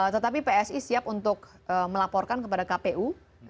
tetapi psi siap untuk melaporkan kepada kpu